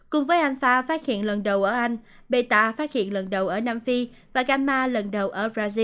cùng với alpha phát hiện lần đầu ở anh beta phát hiện lần đầu ở nam phi và gamma lần đầu ở brazil